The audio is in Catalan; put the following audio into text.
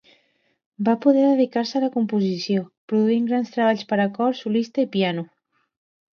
Va poder dedicar-se a la composició, produint grans treballs per a cor, solista i piano.